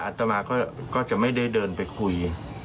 อาตมาก็จะไม่ได้เดินไปคุย